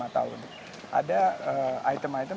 tahun ada item item